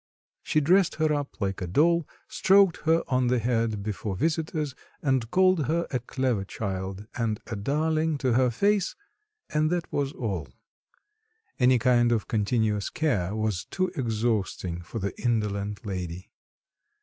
She dressed her up like a doll, stroked her on the head before visitors and called her a clever child and a darling to her face, and that was all. Any kind of continuous care was too exhausting for the indolent lady.